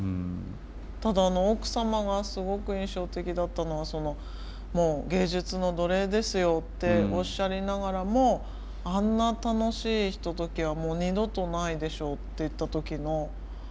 ただあの奥様がすごく印象的だったのは「もう芸術の奴隷ですよ」っておっしゃりながらも「あんな楽しいひとときはもう二度とないでしょう」って言った時のもう私号泣でした。